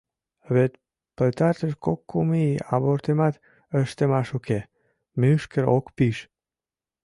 — Вет пытартыш кок-кум ий абортымат ыштымаш уке, мӱшкыр ок пиж.